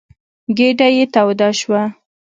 ګېډه یې توده شوه.